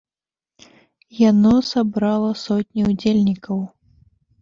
Яно сабрала сотні ўдзельнікаў.